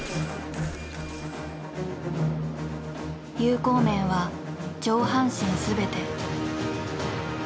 有効面は上半身全て。